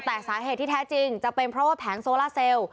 แต่สาเหตุที่แท้จริงจะเป็นเพราะว่าแผงโซล่าเซลล์